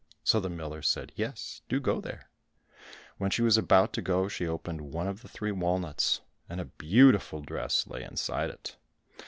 So the miller said, "Yes, do go there." When she was about to go, she opened one of the three walnuts, and a beautiful dress lay inside it.